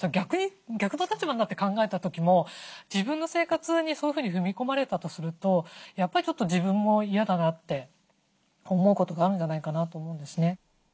逆の立場になって考えた時も自分の生活にそういうふうに踏み込まれたとするとやっぱり自分も嫌だなって思うことがあるんじゃないかなと思うんですね。